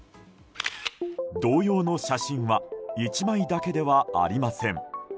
同様の写真は１枚だけではありません。